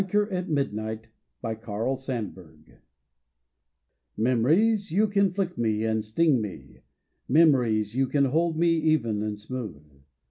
HIKER AT MIDNIGHT By Carl Sandburg MEMORIES, you can fiick me and sting me. Memories, you can hold me even and smooth.